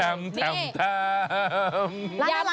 ร้านอะไรอ่ะคุณผู้ชม